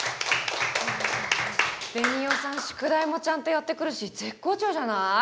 ベニオさん宿題もちゃんとやってくるし絶好調じゃない。